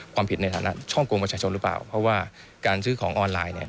ความผิดในฐานะช่อกงประชาชนหรือเปล่าเพราะว่าการซื้อของออนไลน์เนี่ย